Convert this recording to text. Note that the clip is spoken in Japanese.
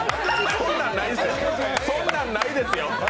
そんなんないですよ。